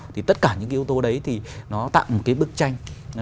thì tất cả những cái yếu tố đấy thì nó tạo một cái bức tranh